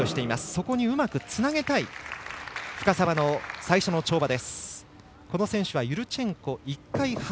そこにうまくつなげたい深沢の最初の跳馬。